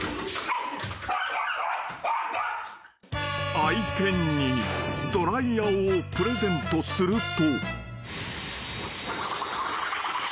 ［愛犬にドライヤーをプレゼントすると］